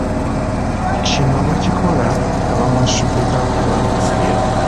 Kino bakikola nga bamwesuddako akabanga.